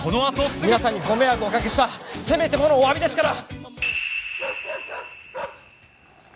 皆さんにご迷惑をおかけしたせめてものおわびですから。